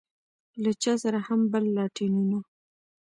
له چا سره هم بل لاټينونه.